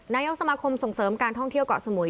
นายกสมาคมส่งเสริมการท่องเที่ยวเกาะสมุย